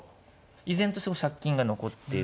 依然として借金が残っているので。